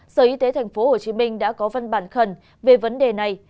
sở y tế tp hcm đã có văn bản khẩn về vấn đề này